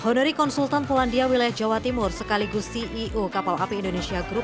honori konsultan polandia wilayah jawa timur sekaligus ceo kapal api indonesia group